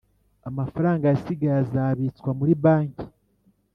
Amafaranga yasigaye azabitswa muri banki